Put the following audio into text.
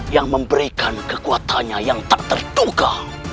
yang memberikan kekuatannya yang tak terduga